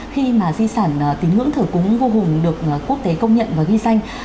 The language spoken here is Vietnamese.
khi mà di sản tín ngưỡng thờ cúng hùng vương được quốc tế công nhận và ghi danh